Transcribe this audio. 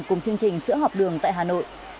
cùng chương trình sữa học đường tại hà nội